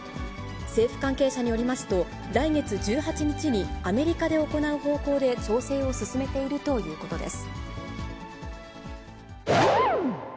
政府関係者によりますと、来月１８日にアメリカで行う方向で調整を進めているということです。